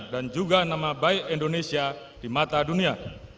dan juga nama baik indonesia di mata dunia